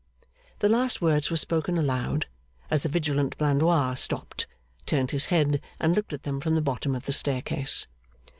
The last words were spoken aloud, as the vigilant Blandois stopped, turned his head, and looked at them from the bottom of the staircase.